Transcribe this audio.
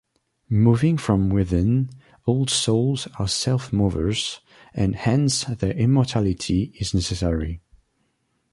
Moving from within, all souls are self-movers, and hence their immortality is necessary.